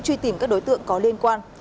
truy tìm các đối tượng có liên quan